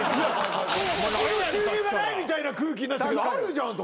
収入がないみたいな空気になってたけどあるじゃんと。